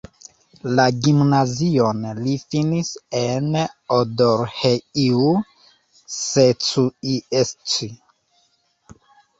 La gimnazion li finis en Odorheiu Secuiesc.